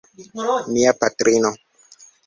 Mia patrino.